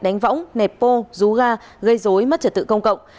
đánh võng nẹp bô rú ga gây dối mất trật tự công cộng